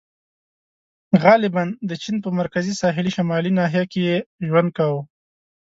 • غالباً د چین په مرکزي ساحلي شمالي ناحیه کې یې ژوند کاوه.